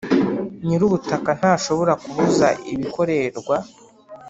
Nyir ubutaka ntashobora kubuza ibikorerwa